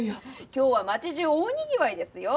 今日は街じゅう大にぎわいですよ。